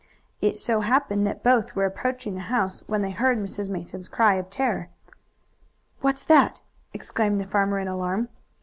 It so happened that both were approaching the house when they heard Mrs. Mason's cry of terror. "What's that?" exclaimed the farmer in alarm.